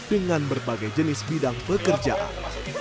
dengan berbagai jenis bidang pekerjaan